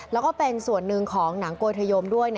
แล้วก็เป็นส่วนหนึ่งของหนังโกยธยมด้วย